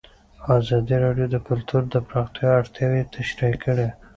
ازادي راډیو د کلتور د پراختیا اړتیاوې تشریح کړي.